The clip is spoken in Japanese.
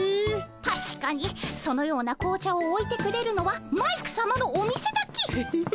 たしかにそのような紅茶をおいてくれるのはマイクさまのお店だけ。